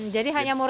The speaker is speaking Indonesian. jadi hanya membuatnya